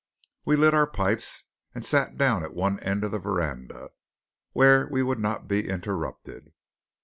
We lit our pipes and sat down at one end of the veranda, where we would not be interrupted.